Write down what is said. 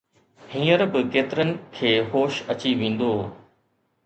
هينئر به ڪيترن کي هوش اچي ويندو